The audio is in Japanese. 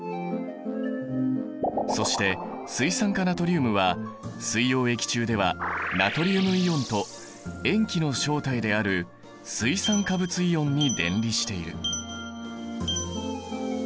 そして水酸化ナトリウムは水溶液中ではナトリウムイオンと塩基の正体である水酸化物イオンに電離している。